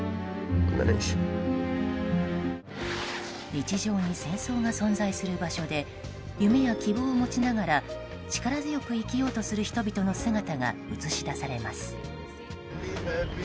日常に戦争が存在する場所で夢や希望を持ちながら力強く生きようとする人々の姿が映し出されます。